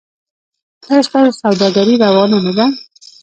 ایا ستاسو سوداګري روانه نه ده؟